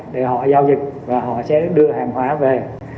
thì họ giao dịch và họ sẽ đưa hàng hóa về